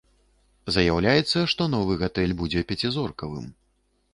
Заяўляецца, што новы гатэль будзе пяцізоркавым.